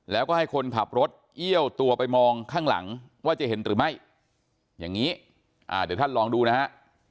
แล้วก็ให้คนขับรถเอี้ยวตัวไปมองข้างหลังว่าจะเห็นหรือไม่อย่างนี้เดี๋ยวท่านลองดูนะฮะ